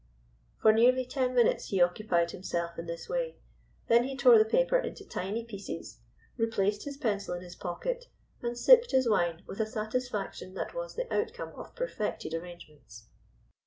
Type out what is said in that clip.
For nearly ten minutes he occupied himself in this way, then he tore the paper into tiny pieces, replaced his pencil in his pocket, and sipped his wine with a satisfaction that was the outcome of perfected arrangements.